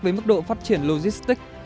với mức độ phát triển logistics